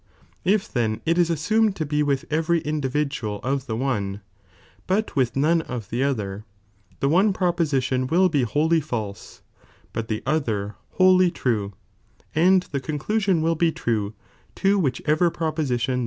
If tbea it is aasumed to be with every individual of the cnie,''but with none of the other, the one proposition will be wholly false, but the other wholly true, and the conclu sion will be true to whichever proposition the